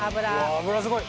油すごい。